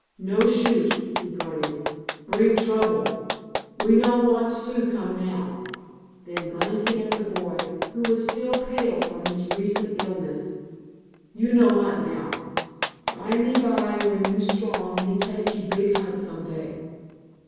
"No shoot," he grunted. "Bring trouble. We no want Sioux come now." Then glancing at the boy, who was still pale from his recent illness, "You no hunt now. Bime by when you strong me take you big hunt some day."